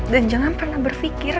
dan jangan pernah berfikir